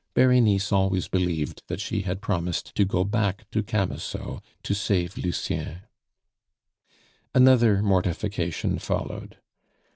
Berenice always believed that she had promised to go back to Camusot to save Lucien. Another mortification followed.